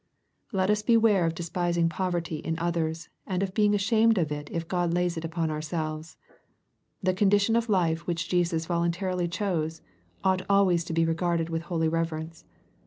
Let us beware of despising poverty in others, and ol being ashamed of it if God lays it upon ourselves. The condition of life which Jesus voluntarily chose, ought always to be regarded with holy reverence.